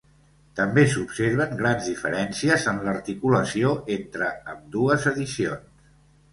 També s'observen grans diferències en l'articulació entre ambdues edicions.